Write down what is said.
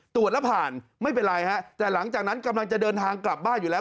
ตรวจแล้วผ่านไม่เป็นไรฮะแต่หลังจากนั้นกำลังจะเดินทางกลับบ้านอยู่แล้ว